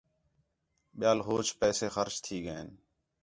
ٻِیال ہوچ پیسے خرچ تھی ڳئین